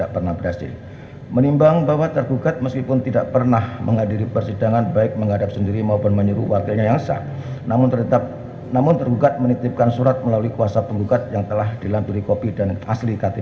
pertama penggugat akan menerjakan waktu yang cukup untuk menerjakan si anak anak tersebut yang telah menjadi ilustrasi